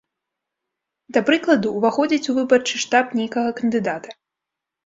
Да прыкладу, уваходзіць у выбарчы штаб нейкага кандыдата.